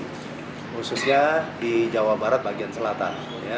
khususnya di jawa barat bagian selatan